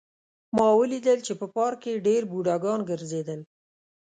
ما ولیدل چې په پارک کې ډېر بوډاګان ګرځېدل